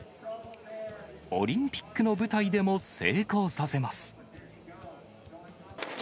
オリンピックの舞台でも成功させます。